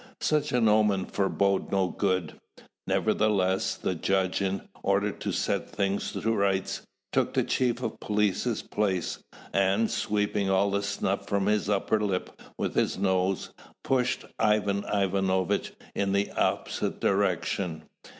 Such an omen forboded no good. Nevertheless, the judge, in order to set things to rights, took the chief of police's place, and, sweeping all the snuff from his upper lip with his nose, pushed Ivan Ivanovitch in the opposite direction.